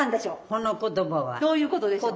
その言葉は。どういうことでしょう？